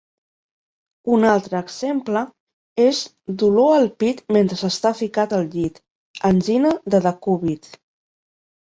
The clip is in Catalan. Un altre exemple és 'dolor al pit mentre s'està ficat al llit' angina de decúbit.